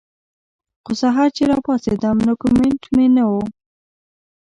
خو سحر چې راپاسېدم نو کمنټ مې نۀ وۀ